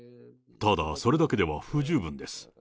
ただ、それだけでは不十分です。